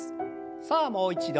さあもう一度。